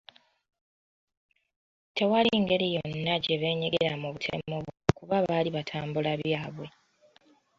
Tewali ngeri yonna gye beenyigira mu butemu buno kuba baali batambula byabwe.